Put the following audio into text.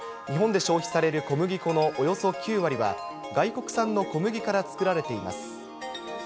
日本で消費される小麦粉のおよそ９割は、外国産の小麦から作られています。